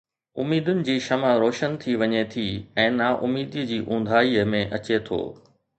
اميدن جي شمع روشن ٿي وڃي ٿي ۽ نا اميديءَ جي اونداهيءَ ۾ اچي ٿو.